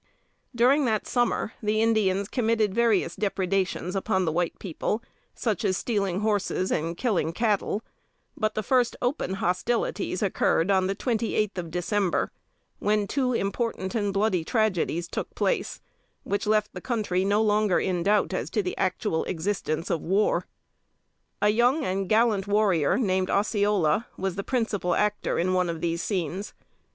During the summer, the Indians committed various depredations upon the white people, such as stealing horses and killing cattle; but the first open hostilities occurred on the twenty eighth of December, when two important and bloody tragedies took place, which left the country no longer in doubt as to the actual existence of war. A young and gallant warrior, named Osceola, was the principal actor in one of these scenes.